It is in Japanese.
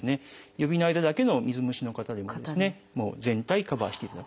指の間だけの水虫の方でも全体カバーしていただく。